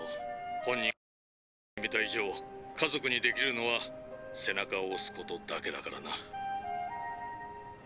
本人が覚悟を決めた以上家族にできるのは背中を押すことだけだからな。